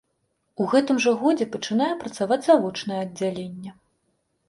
У гэтым жа годзе пачынае працаваць завочнае аддзяленне.